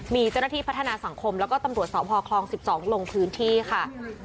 มีเจ้าหน้าที่พัฒนาสังคมแล้วก็ตำรวจสพคลอง๑๒ลงพื้นที่ค่ะ